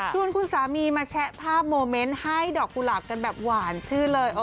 ส่วนคุณสามีมาแชะภาพโมเมนต์ให้ดอกกุหลาบกันแบบหวานชื่นเลย